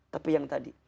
tapi yang tadi